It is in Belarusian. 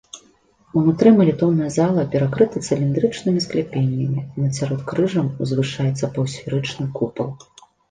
Унутры малітоўная зала перакрыта цыліндрычнымі скляпеннямі, над сяродкрыжжам узвышаецца паўсферычны купал.